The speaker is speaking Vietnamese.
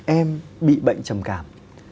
em bị bệnh trầm cảm